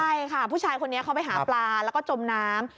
ใช่ค่ะผู้ชายคนนี้เขาไปหาปลาแล้วก็จมน้ำ